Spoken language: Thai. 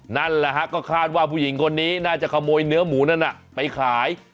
นั่นแหละฮะก็คาดว่าผู้หญิงคนนี้น่าจะขโมยเนื้อหมูนั่นไปขาย